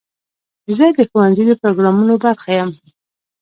زه د ښوونځي د پروګرامونو برخه یم.